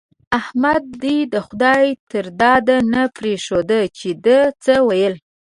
احمد دې د خدای تر داده نه پرېښود چې ده څه ويل.